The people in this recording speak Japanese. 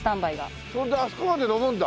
それであそこまで登るんだ。